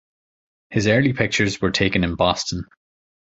His early pictures were taken in Boston.